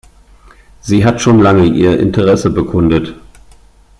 Sie hat schon lange ihr Interesse bekundet.